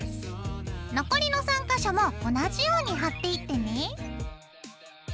残りの３か所も同じように貼っていってね。